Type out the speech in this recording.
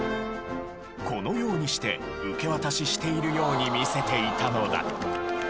このようにして受け渡ししているように見せていたのだ。